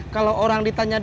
kalau orang ditanya dia